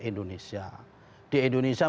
indonesia di indonesia